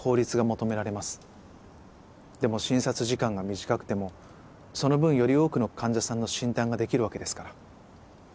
でも診察時間が短くてもその分より多くの患者さんの診断ができるわけですから。